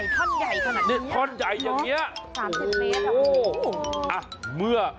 ต้นใหญ่ท่อนใหญ่ขนาดนี้๓๐เมตร